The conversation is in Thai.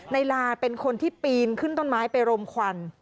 ลาเป็นคนที่ปีนขึ้นต้นไม้ไปรมควัน